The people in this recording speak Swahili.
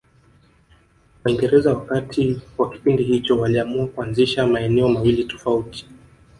Waingereza wakati wa kipindi hicho waliamua kuanzisha maeneo mawili tofauti